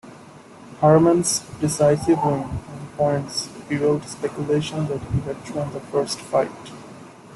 Herman's decisive win on points fueled speculation that he had thrown the first fight.